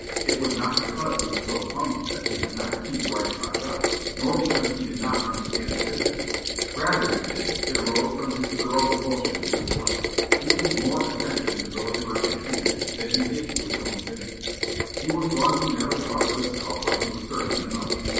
It was not because he was so clumsy that he could not keep right side up, nor because he did not understand the business; rather, we think, it arose from his thorough devotion to his work. He gave more attention to the labor in hand than he did to his own safety. He was one who never thought of himself when he was serving another.